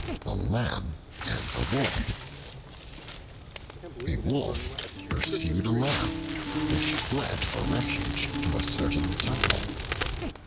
The Lamb and the Wolf A WOLF pursued a Lamb, which fled for refuge to a certain Temple.